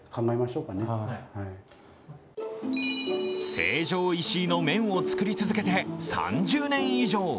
成城石井の麺を作り続けて３０年以上。